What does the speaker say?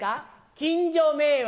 近所迷惑。